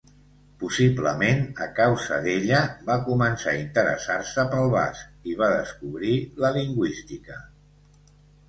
Possiblement a causa d'ella va començar a interessar-se pel basc i va descobrir la Lingüística.